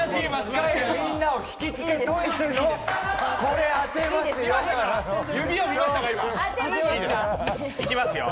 １回みんなを引き付けといての、これ当てますよ。